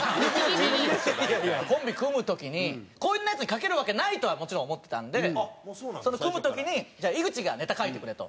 コンビ組む時にこんなヤツに書けるわけないとはもちろん思ってたんで組む時に「井口がネタ書いてくれ」と。